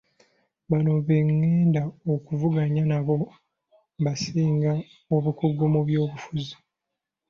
Bonna be ngenda okuvuganya nabo mbasinga obukugu mu by'obufuzi.